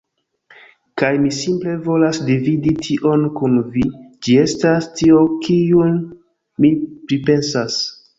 Kaj mi simple volas dividi tion kun vi ĝi estas tio kiun mi pripensas